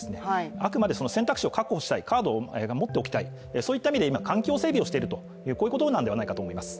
あくまで選択肢を確保したい、カードを持っておきたい、そういった意味で環境整備をしている、こういうことなんではないだろうかと思います。